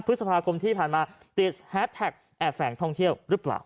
พฤษภาคมที่ผ่านมาติดแฮสแท็กแอบแฝงท่องเที่ยวหรือเปล่า